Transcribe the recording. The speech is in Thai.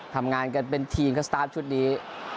ทำงานกันเป็นทีมครับสตาร์ฟชุดนี้